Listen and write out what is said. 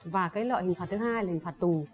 và cái lợi hình phạt thứ hai là hình phạt tù